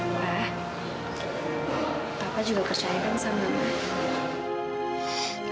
wah papa juga percaya kan sama mama